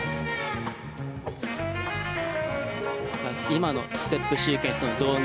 今のステップシークエンスの導入